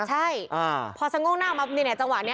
ใช่พอฉันง่วงหน้าออกมาในแหน่จังหวะนี้